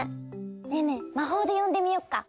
ねえねえまほうでよんでみよっか。